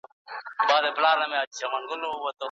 که په زده کړو پانګونه ونه سي ټولنه به وروسته پاته سي.